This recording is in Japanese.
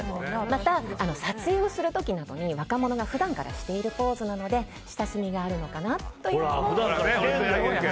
また、撮影をする時などに若者が普段からしているポーズなので親しみがあるのかなというのも。